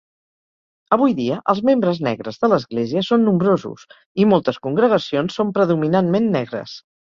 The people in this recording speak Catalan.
Avui dia, els membres negres de l'Església són nombrosos i moltes congregacions són predominantment negres.